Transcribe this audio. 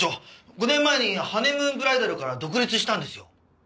５年前にハネムーンブライダルから独立したんですよ。